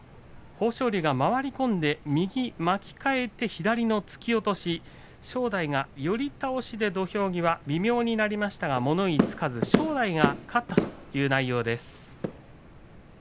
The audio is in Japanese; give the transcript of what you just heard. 豊昇龍が回り込んで、右を巻き替えて左の突き落とし正代が寄り倒しで土俵際微妙になりましたが物言い付かず正代が勝ったという内容です。